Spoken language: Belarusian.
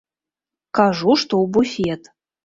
Кажу, што ў буфет.